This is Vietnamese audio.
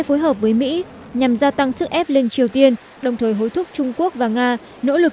phối hợp với mỹ nhằm gia tăng sức ép lên triều tiên đồng thời hối thúc trung quốc và nga nỗ lực